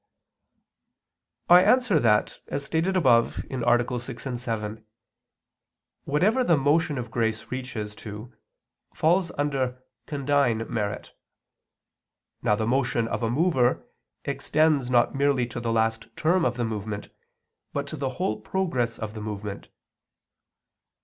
I answer that, As stated above (AA. 6, 7), whatever the motion of grace reaches to, falls under condign merit. Now the motion of a mover extends not merely to the last term of the movement, but to the whole progress of the movement.